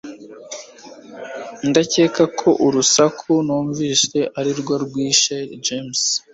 ndakeka ko urusasu numvise arirwo rwishe james